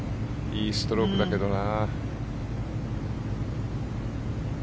いいストロークだけどな。